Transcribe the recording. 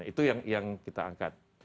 itu yang kita angkat